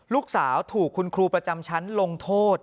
ลูกสาวถูกคุณครูประจำชั้นลงโทษ